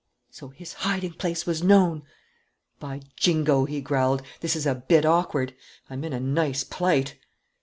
So his hiding place was known! "By Jingo," he growled, "this is a bit awkward! I'm in a nice plight!"